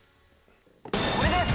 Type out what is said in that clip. これです！